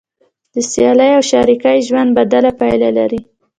د سیالۍ او شریکۍ ژوند بده پایله لري.